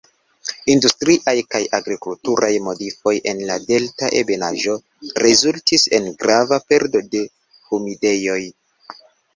Industriaj kaj agrikulturaj modifoj en la delta ebenaĵo rezultis en grava perdo de humidejoj.